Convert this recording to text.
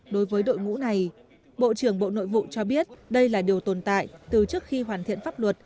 đối với đội ngũ này bộ trưởng bộ nội vụ cho biết đây là điều tồn tại từ trước khi hoàn thiện pháp luật